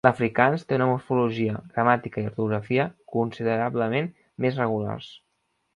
L'afrikaans té una morfologia, gramàtica i ortografia considerablement més regulars.